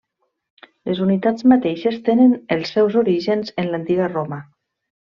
Les unitats mateixes tenen els seus orígens en l'antiga Roma.